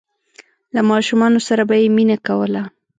له ماشومانو سره به یې مینه کوله.